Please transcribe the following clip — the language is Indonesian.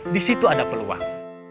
disitu ada peluang